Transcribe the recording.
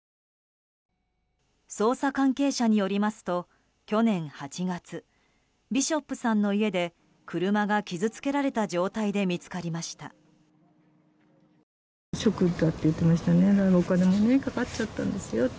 捜査関係者によりますと去年８月、ビショップさんの家で車が傷つけられた状態で見つかりました。